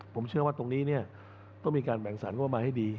ผมเชื่อว่าตรงนี้ต้องมีการแบ่งสารเข้ามาให้ดี